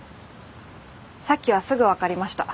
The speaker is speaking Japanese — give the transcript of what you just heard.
さっきはすぐ分かりました。